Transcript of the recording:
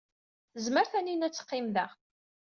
Tezmer Taninna ad teqqim da.